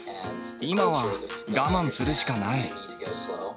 今は我慢するしかない。